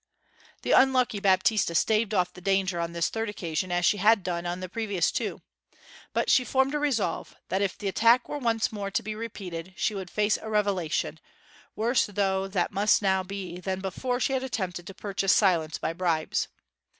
The unlucky Baptista staved off the danger on this third occasion as she had done on the previous two. But she formed a resolve that, if the attack were once more to be repeated she would face a revelation worse though that must now be than before she had attempted to purchase silence by bribes.